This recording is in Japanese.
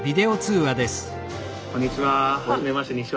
こんにちは。